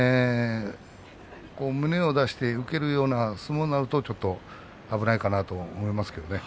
胸を出して受けるような相撲になるとちょっと危ないかなと思いますけどね。